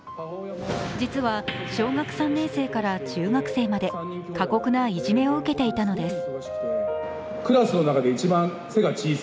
実は小学３年生から中学生まで、過酷ないじめを受けていたのです。